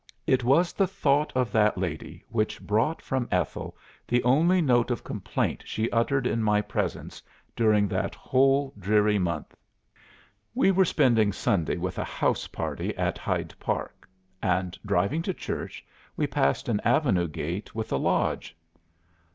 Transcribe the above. "It was the thought of that lady which brought from Ethel the only note of complaint she uttered in my presence during that whole dreary month." "We were spending Sunday with a house party at Hyde Park; and driving to church, we passed an avenue gate with a lodge.